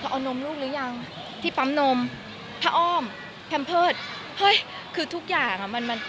เอานมลูกหรือยังที่ปั๊มนมผ้าอ้อมแพมเพิร์ตเฮ้ยคือทุกอย่างอ่ะมันมัน